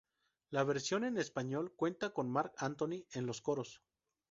La versión en español cuenta con Marc Anthony en los coros.